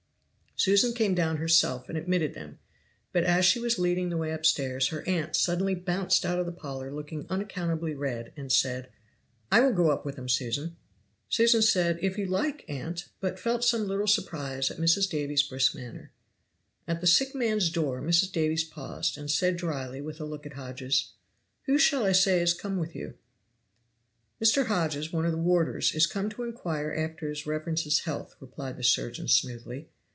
Susan came down herself and admitted them: but as she was leading the way upstairs her aunt suddenly bounced out of the parlor looking unaccountably red, and said: "I will go up with them, Susan." Susan said, "If you like, aunt," but felt some little surprise at Mrs. Davies's brisk manner. At the sick man's door Mrs. Davies paused, and said dryly, with a look at Hodges, "Who shall I say is come with you?" "Mr. Hodges, one of the warders, is come to inquire after his reverence's health," replied the surgeon smoothly.